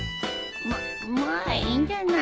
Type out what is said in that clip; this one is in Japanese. まっまあいいんじゃない。